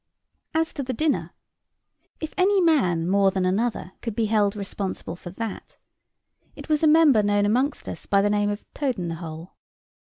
As to the dinner, if any man more than another could be held responsible for that, it was a member known amongst us by the name of Toad in the hole.